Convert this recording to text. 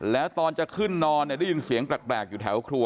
แล้วตอนจะขึ้นนอนได้ยินเสียงแปลกอยู่แถวครัว